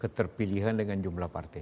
keterpilihan dengan jumlah partai